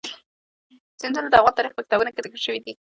سیندونه د افغان تاریخ په کتابونو کې ذکر شوی دي.